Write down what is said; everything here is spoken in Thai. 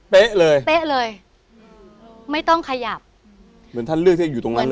เลยเป๊ะเลยไม่ต้องขยับเหมือนท่านเลือกที่จะอยู่ตรงนั้น